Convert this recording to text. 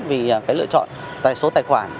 vì cái lựa chọn số tài khoản